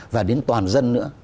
và đến toàn dân nữa